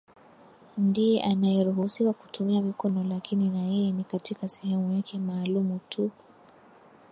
ndiye anayeruhusiwa kutumia mikono lakini na yeye ni katika sehemu yake maalumu tu